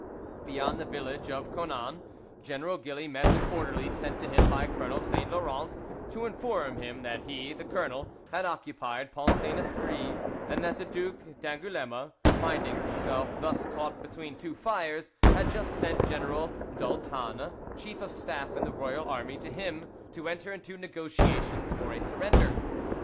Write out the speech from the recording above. Beyond the village of Conans, General Gilly met an orderly sent to him by Colonel Saint Laurent to inform him that he, the colonel, had occupied Pont Saint Esprit, and that the Duc d'Angouleme, finding himself thus caught between two fires, had just sent General d'Aultanne, chief of staff in the royal army, to him, to enter into negotiations for a surrender.